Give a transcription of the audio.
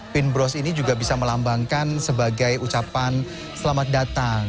pin bros ini juga bisa melambangkan sebagai ucapan selamat datang